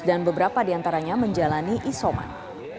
beberapa diantaranya menjalani isoman